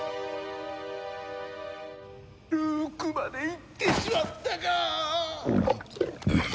ルークまで逝ってしまったか！